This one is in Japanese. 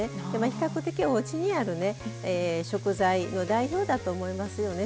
比較的、おうちにある食材の代表だと思いますね。